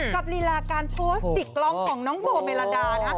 กับรีลาการโพสติกรองของน้องโบเมลดานะครับ